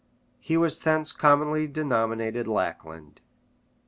He was thence commonly denominated Lackland.